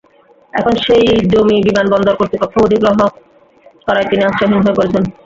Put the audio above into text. এখন সেই জমি বিমানবন্দর কর্তৃপক্ষ অধিগ্রহণ করায় তিনি আশ্রয়হীন হয়ে পড়েছেন।